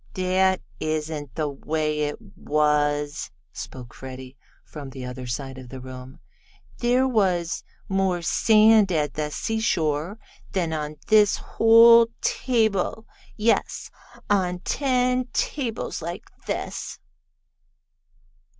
"That isn't the way it was," spoke Freddie, from the other side of the room. "There was more sand at the seashore than on this whole table yes, on ten tables like this."